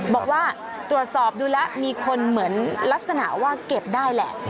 บอกว่าตรวจสอบดูแล้วมีคนเหมือนลักษณะว่าเก็บได้แหละ